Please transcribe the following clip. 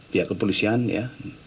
pihak kepolisian ya